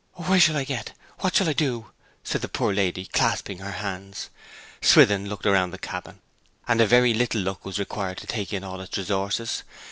'Where shall I get? What shall I do?' said the poor lady, clasping her hands. Swithin looked around the cabin, and a very little look was required to take in all its resources.